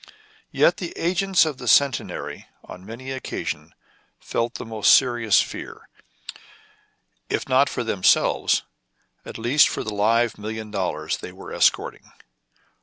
Yet the agents of the Centenary on many an occasion felt the most serious fear, if not for themselves, at least for the live million dollars they were escorting.